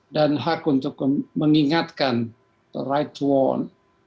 dan hak untuk mengingatkan the right to own